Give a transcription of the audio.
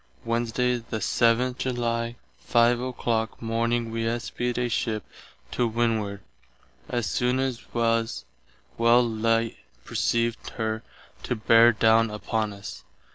_, Wednesday the 7th July, 5 o'clock morning we espied a ship to windward; as soon as was well light perceived her to bare down upon us.